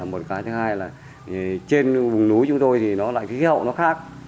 một cái thứ hai là trên vùng núi chúng tôi thì khí hậu nó khác